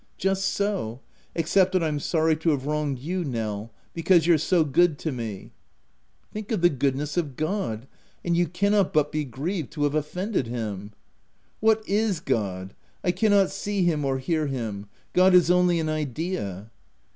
"* Just so — except that I'm sorry to have wronged you Nel, because you're so good to me/ "* Think of the goodness of God, and you cannot but be grieved to have offended Him/ *' c What is God — I cannot see him or hear Him ?— God is only an idea.'